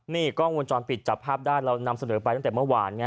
นี่กล้องวงจรปิดจับภาพได้เรานำเสนอไปตั้งแต่เมื่อวาน